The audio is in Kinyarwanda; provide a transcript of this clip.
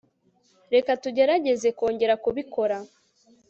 reka tugerageze kongera kubikora